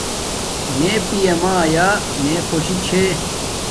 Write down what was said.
میے پیا مایا میے خوشی چھے